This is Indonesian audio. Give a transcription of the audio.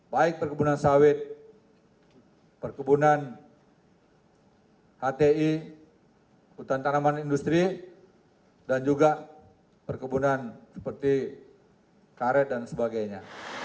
baik perkebunan sawit perkebunan hti hutan tanaman industri dan juga perkebunan seperti karet dan sebagainya